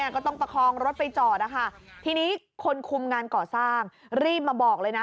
ก็ต้องประคองรถไปจอดนะคะทีนี้คนคุมงานก่อสร้างรีบมาบอกเลยนะ